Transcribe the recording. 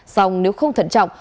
xong nếu không thận trọng